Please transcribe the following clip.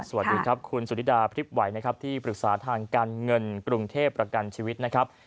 สวัสดีครับคุณสุธิดาพริบไหวนะครับที่ปรึกษาทางการเงินกรุงเทพประกันชีวิตนะครับ